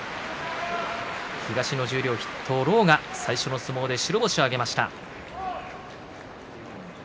東の十両筆頭の狼雅最初の相撲で白星を挙げました。